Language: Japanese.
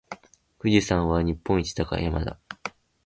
富士山は日本一高い山だ。